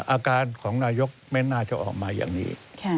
อาการของนายกไม่น่าจะออกมาอย่างนี้